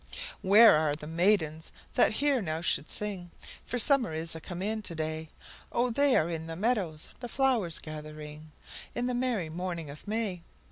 Where are the maidens that here now should sing? For summer is a come in to day, Oh, they are in the meadows the flowers gathering, In the merry morning of May!